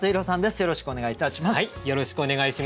よろしくお願いします。